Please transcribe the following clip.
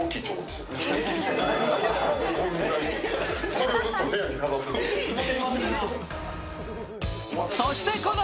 それをずっと部屋に飾ってるの。